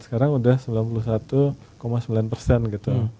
sekarang sudah sembilan puluh satu sembilan persen gitu